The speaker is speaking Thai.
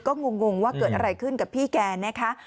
ก็งงว่าเกิดอะไรขึ้นกับพี่แกนะคะ